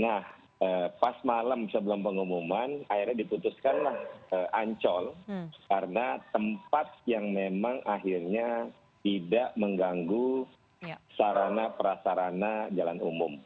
nah pas malam sebelum pengumuman akhirnya diputuskanlah ancol karena tempat yang memang akhirnya tidak mengganggu sarana prasarana jalan umum